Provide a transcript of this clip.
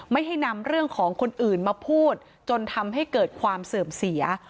ไม่ให้นำเรื่องของคนอื่นมาพูดจนทำให้เกิดความเสื่อมเสีย